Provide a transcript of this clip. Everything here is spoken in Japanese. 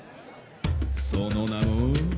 その名も。